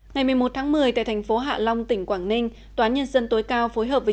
ngày một mươi một tháng một mươi tại thành phố hạ long tỉnh quảng ninh tòa án nhân dân tối cao phối hợp với